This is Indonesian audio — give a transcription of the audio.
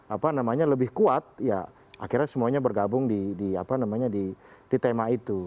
apa namanya lebih kuat ya akhirnya semuanya bergabung di apa namanya di tema itu